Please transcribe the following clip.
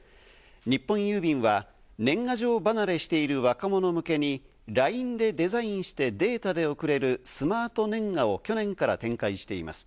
日本郵便は年賀状離れしている若者向けにＬＩＮＥでデザインしてデータで送れる、「スマートねんが」を去年から展開しています。